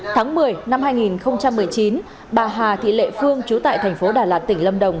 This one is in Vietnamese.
tháng một mươi năm hai nghìn một mươi chín bà hà thị lệ phương chú tại thành phố đà lạt tỉnh lâm đồng